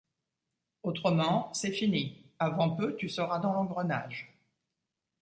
Autrement, c’est fini ; avant peu tu seras dans l’engrenage.